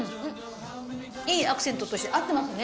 いいアクセントとして合ってますね。